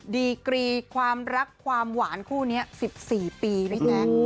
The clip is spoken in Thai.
ดีกรีความรักความหวานคู่นี้๑๔ปีพี่แจ๊ค